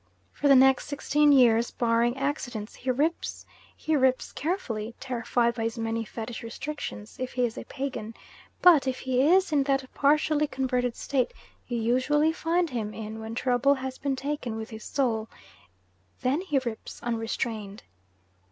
For the next sixteen years, barring accidents, he "rips"; he rips carefully, terrified by his many fetish restrictions, if he is a pagan; but if he is in that partially converted state you usually find him in when trouble has been taken with his soul then he rips unrestrained.